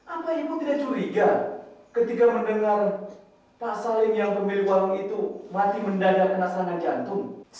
apa ibu tidak curiga ketika mendengar pak salim yang pembeli uang itu mati mendadak kena sana jantung